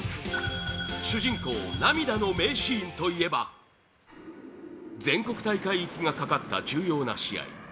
主人公涙の名シーンといえば全国大会行きがかかった重要な試合